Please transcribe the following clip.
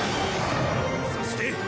そして！